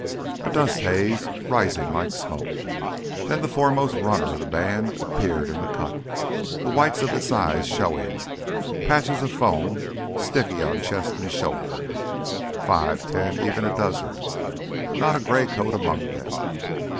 A dust haze, rising like smoke. Then the foremost runner of the band appeared in the cut, the whites of its eyes showing, patches of foam sticky on chest and shoulder. Five ... ten ... an even dozen—but not a gray coat among them.